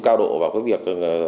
cao độ vào cái việc